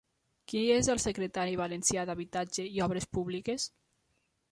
Qui és el secretari valencià d'Habitatge i Obres Públiques?